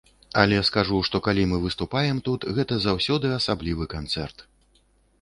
Але скажу, што калі мы выступаем тут, гэта заўсёды асаблівы канцэрт.